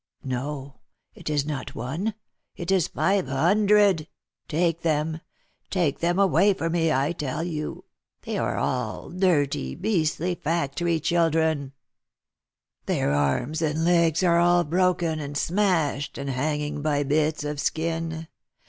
No !— it is not one, it is five hundred ! Take them !— take them away from me, I tell you ! They are all dirty, beastly factory children. Their arms and legs are all broken and smashed, and hanging by bits of skin.